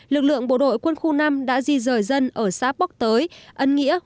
lực lượng bộ đội quân khu năm đã di rời dân ở xá bóc tới